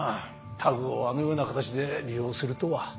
タグをあのような形で利用するとは。